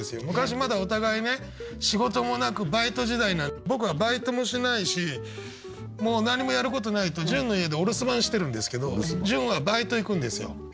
昔まだお互いね仕事もなくバイト時代僕はバイトもしないしもう何もやることないと潤の家でお留守番してるんですけど潤はバイト行くんですよ。